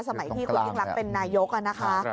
สมัยที่คุณยิ่งรักเป็นนายกนะคะ